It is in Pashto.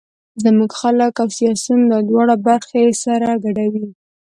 زموږ خلک او سیاسون دا دواړه برخې سره ګډوي.